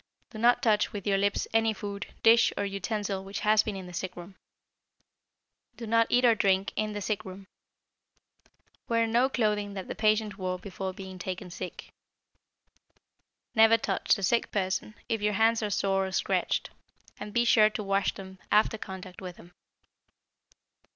Do not touch with your lips any food, dish, or utensil which has been in the sick room. Do not eat or drink in the sick room. Wear no clothing that the patient wore before being taken sick. Never touch the sick person if your hands are sore or scratched, and be sure to wash them after contact with him.